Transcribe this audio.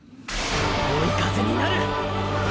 追い風になる！！